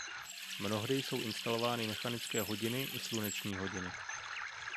Mnohdy jsou instalovány mechanické hodiny i sluneční hodiny.